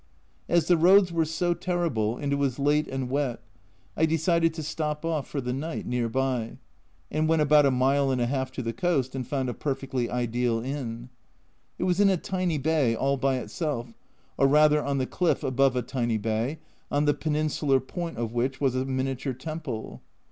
As the roads were so terrible, and it was late and wet, I decided to stop off for the night near by and went about a mile and a half to the coast and found a perfectly ideal inn. It was in a tiny bay, all by itself, or rather on the cliff above a tiny bay, on the peninsular point of which was a miniature temple.